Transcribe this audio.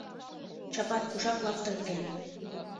- Чапат кушак лаптырген?